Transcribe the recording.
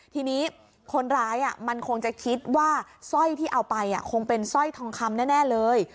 ทีนี้คนร้ายมันคงจะคิดว่าสร้อยที่เอาไปคงเป็นสร้อยทองคำแน่เลย